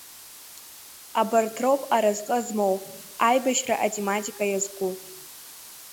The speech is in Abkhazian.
Абарҭ роуп аразҟы змоу, аибашьра атематика иазку…